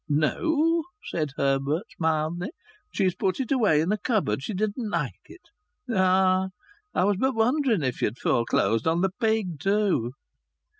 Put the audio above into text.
"No," said Herbert, mildly. "She's put it away in a cupboard. She didn't like it." "Ah! I was but wondering if ye'd foreclosed on th' pig too."